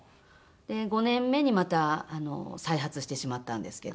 で５年目にまた再発してしまったんですけど。